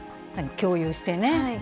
共有してね。